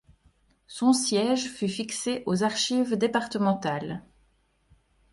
Son siège fut fixé aux archives départementales.